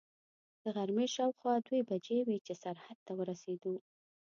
د غرمې شاوخوا دوې بجې وې چې سرحد ته ورسېدو.